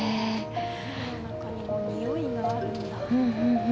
海の中にもにおいがあるんだ。